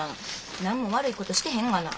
何も悪いことしてへんがな。